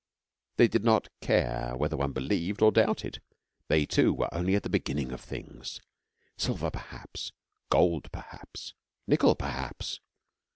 They did not care whether one believed or doubted. They, too, were only at the beginning of things silver perhaps, gold perhaps, nickel perhaps.